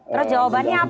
terus jawabannya apa